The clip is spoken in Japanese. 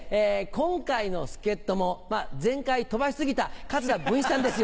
今回の助っ人も前回飛ばし過ぎた桂文枝さんです